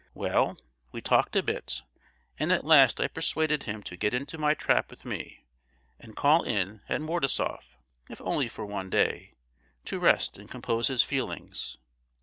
"Well, we talked a bit, and at last I persuaded him to get into my trap with me, and call in at Mordasoff, if only for one day, to rest and compose his feelings.